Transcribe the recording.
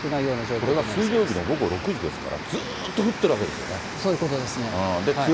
これが水曜日の午後６時ですから、ずっと降ってるわけですよそういうことですね。